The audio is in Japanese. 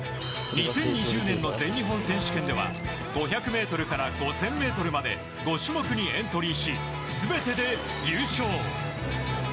２０２０年の全日本選手権では５００ｍから５０００ｍまで５種目にエントリーし全てで優勝。